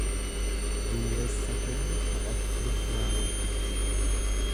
Dureessa kennu kadhattuun maa wal fixxi.